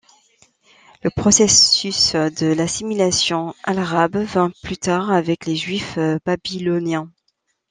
Le processus de l'assimilation à l'arabe vint plus tard avec les Juifs babyloniens.